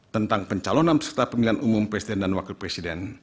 tentang pencalonan peserta pemilihan umum presiden dan wakil presiden